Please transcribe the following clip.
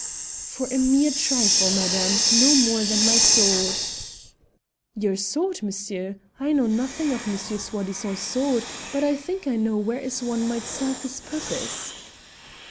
"For a mere trifle, madame, no more than my sword." "Your sword, monsieur? I know nothing of Monsieur Soi disant's sword, but I think I know where is one might serve his purpose."